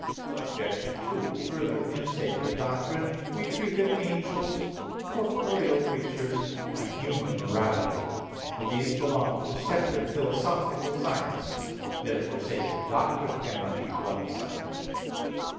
Obj. 2: Further, in sacred doctrine we treat of angels, corporeal creatures and human morality. But these belong to separate philosophical sciences. Therefore sacred doctrine cannot be one science.